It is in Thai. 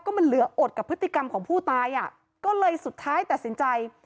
มันเหลืออดกับพฤติกรรมของผู้ตายอ่ะก็เลยสุดท้ายตัดสินใจ